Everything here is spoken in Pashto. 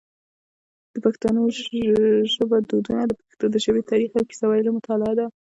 د پښتو ژبی دودونه د پښتنو د ژبی تاریخ او کیسې ویلو مطالعه ده.